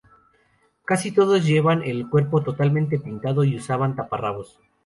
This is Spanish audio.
Casi todos llevaban el cuerpo totalmente pintado y usaban taparrabos.